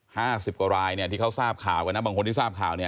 ห้าสิบกว่ารายเนี่ยที่เขาทราบข่าวกันนะบางคนที่ทราบข่าวเนี่ย